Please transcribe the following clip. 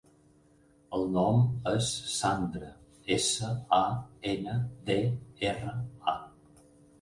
El nom és Sandra: essa, a, ena, de, erra, a.